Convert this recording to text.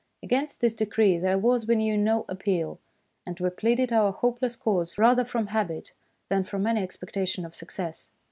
Against this decree there was, we knew, no appeal ; and we pleaded our hopeless cause rather from habit than from any expectation of success.